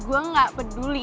gue gak peduli